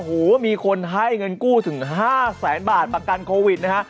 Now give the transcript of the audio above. โอ้โหมีคนให้เงินกู้ถึง๕แสนบาทประกันโควิดนะฮะ